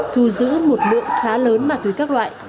thu giữ một lượng khá lớn ma túy các loại